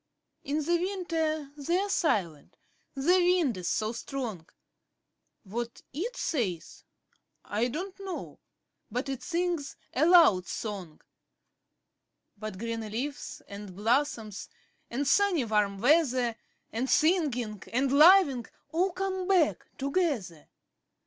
In the winter they're silent the wind is so strong; What it says, I don't know, but it sings a loud song. But green leaves, and blossoms, and sunny warm weather, 5 And singing, and loving all come back together.